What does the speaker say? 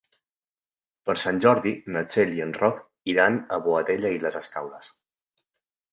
Per Sant Jordi na Txell i en Roc iran a Boadella i les Escaules.